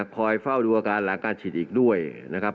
เฝ้าดูอาการหลังการฉีดอีกด้วยนะครับ